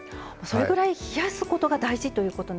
それぐらい冷やすことが大事ということ。